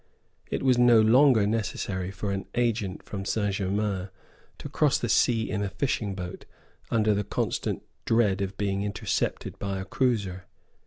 It was no longer necessary for an agent from Saint Germains to cross the sea in a fishing boat, under the constant dread of being intercepted by a cruiser.